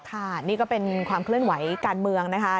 ค่ะนี่ก็เป็นความเคลื่อนไหวการเมืองนะคะ